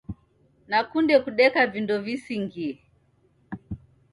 Nakunde kudeka vindo visingie